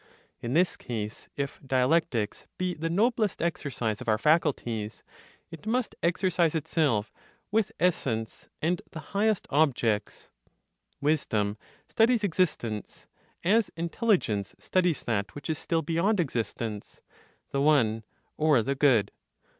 In this case, if dialectics be the noblest exercise of our faculties, it must exercise itself with essence and the highest objects. Wisdom studies existence, as intelligence studies that which is still beyond existence (the One, or the Good).